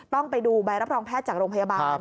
ต้องไปดูใบรับรองแพทย์จากโรงพยาบาล